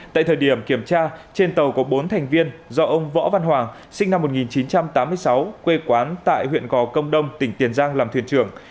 tại thời điểm kiểm tra trên tàu có bốn thành viên do ông võ văn hoàng sinh năm một nghìn chín trăm tám mươi sáu quê quán tại huyện gò công đông tỉnh tiền giang làm thuyền trưởng